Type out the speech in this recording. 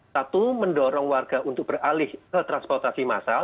satu mendorong warga untuk beralih ke transportasi massal